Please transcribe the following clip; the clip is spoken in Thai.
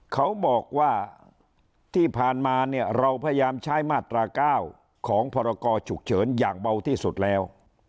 เขาบอกว่าที่ผ่านมาเนี่ยเราพยายามใช้มาตรา๙ของพรกรฉุกเฉินอย่างเบาที่สุดแล้ว